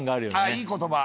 いい言葉！